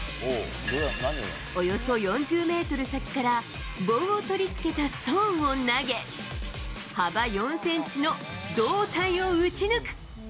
およそ４０メートル先から、棒を取り付けたストーンを投げ、幅４センチの胴体を打ち抜く。